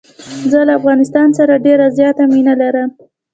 زه له افغانستان سره ډېره زیاته مینه لرم.